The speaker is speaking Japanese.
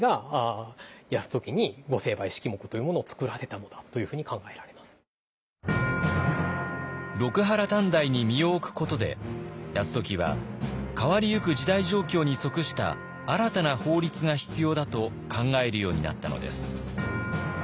もう一つはそういった中でここは一つ六波羅探題に身を置くことで泰時は変わりゆく時代状況に即した新たな法律が必要だと考えるようになったのです。